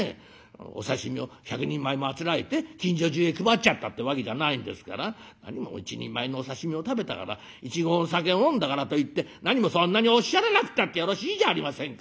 お刺身を１００人前もあつらえて近所中へ配っちゃったってわけじゃないんですから何も一人前のお刺身を食べたから１合のお酒を飲んだからといって何もそんなにおっしゃらなくたってよろしいじゃありませんか」。